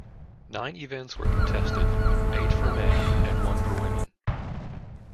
Nine events were contested, eight for men and one for women.